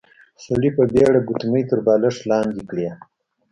سړي په بيړه ګوتمۍ تر بالښت لاندې کړې.